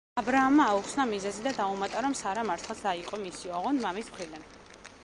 აბრაამმა აუხსნა მიზეზი და დაუმატა, რომ სარა მართლაც და იყო მისი, ოღონდ მამის მხრიდან.